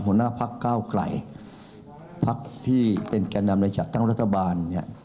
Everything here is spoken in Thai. หัวหน้าภาคก้าวไก่ภาคที่เป็นแกนอำนาจจักรตั้งรัฐบาล